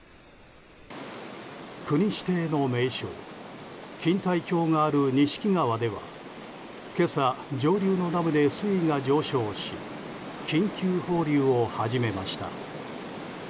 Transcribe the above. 国指定の名勝錦帯橋がある錦川では今朝、上流のダムで水位が上昇し緊急放流を始めました。